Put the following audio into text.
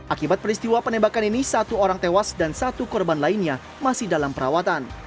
akibat peristiwa penembakan ini satu orang tewas dan satu korban lainnya masih dalam perawatan